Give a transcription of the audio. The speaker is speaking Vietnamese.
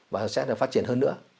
và sẽ phát triển hơn nữa